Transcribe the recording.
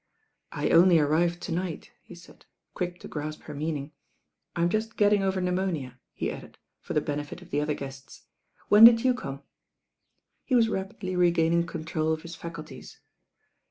"I only arrived to night," he said, quick to graip her meaning. "I'm just getting over pneumonia," he added for the benefit of the other guests. "When did you come?" He was rapidly regaining control of his faculties.